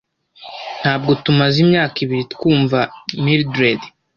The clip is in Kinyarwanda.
Ntabwo tumaze imyaka ibiri twumva Mildred.